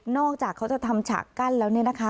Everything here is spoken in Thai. นอกจากเขาจะทำฉากกั้นแล้วนะคะ